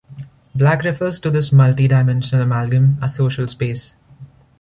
Black refers to this multi-dimensional amalgam as "social space".